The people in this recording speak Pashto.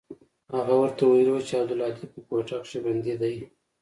هغه ورته ويلي و چې عبدالهادي په کوټه کښې بندي دى.